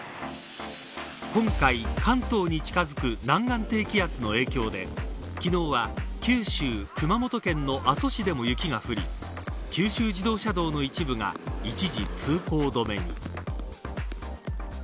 今回、関東に近づく南岸低気圧の影響で昨日は九州、熊本県の阿蘇市でも雪が降り、九州自動車道の一部が一部通行止めに。